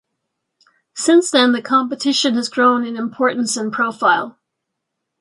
Since then the competition has grown in importance and profile.